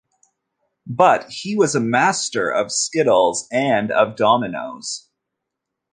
But he was a master of skittles and of dominoes.